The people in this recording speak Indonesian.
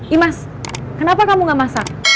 imas kenapa kamu gak masak